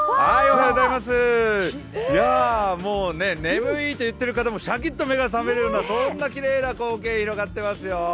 もう眠いと言っている方もしゃきっと目が覚めるようなそんなきれいな光景が広がっていますよ。